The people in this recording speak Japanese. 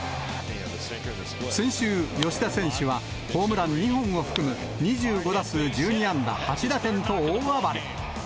先週、吉田選手はホームラン２本を含む２５打数１２安打８打点と大暴れ。